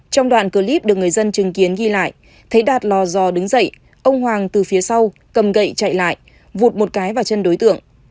trong đoạn clip được người dân chứng kiến ghi lại thấy đạt lò giò đứng dậy ông hoàng từ phía sau cầm gậy chạy lại vụt một cái vào chân đối tượng